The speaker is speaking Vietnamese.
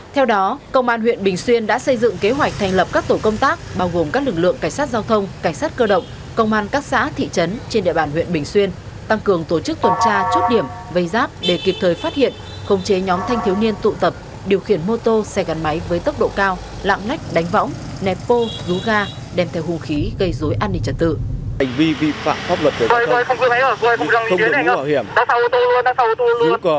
theo đó công an huyện bình xuyên đã xây dựng kế hoạch thành lập các tổ công tác bao gồm các lực lượng cảnh sát giao thông cảnh sát cơ động công an các xã thị trấn trên địa bàn huyện bình xuyên tăng cường tổ chức tuần tra chốt điểm vây giáp để kịp thời phát hiện không chế nhóm thanh thiếu niên tụ tập điều khiển mô tô xe gắn máy với tốc độ cao lạng lách đánh võng nẹt vô rú ga đem theo hung khí gây dối an ninh trật tự